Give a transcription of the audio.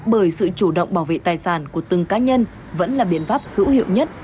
bởi sự chủ động bảo vệ tài sản của từng cá nhân vẫn là biện pháp hữu hiệu nhất